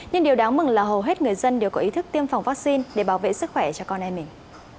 nhưng điều đáng mừng là hầu hết người dân đều có ý thức tiêm phòng vaccine để bảo vệ sức khỏe cho con em mình